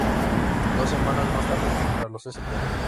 Dos semanas más tarde contra los St.